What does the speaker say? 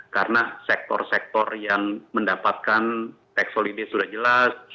karena sektor sektor yang mendapatkan tax holiday sudah jelas